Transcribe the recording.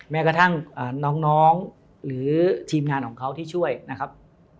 แม้กระทั่งน้องหรือทีมงานของเขาที่ช่วยนะครับ